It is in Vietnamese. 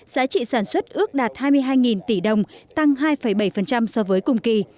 giá trị sản xuất ước đạt hai mươi hai tỷ đồng tăng hai bảy so với cùng kỳ